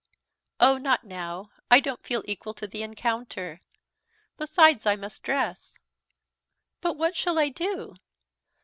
"Oh, not now; I don't feel equal to the encounter; besides, I must dress. But what shall I do?